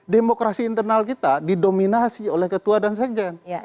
demokrasi internal kita didominasi oleh ketua dan sekjen